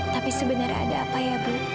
tapi sebenarnya ada apa ya bu